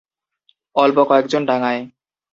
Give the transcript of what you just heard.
অল্প কয়েকজন ডাঙায়।